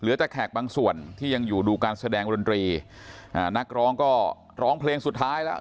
เหลือแต่แขกบางส่วนที่ยังอยู่ดูการแสดงดนตรีอ่านักร้องก็ร้องเพลงสุดท้ายแล้ว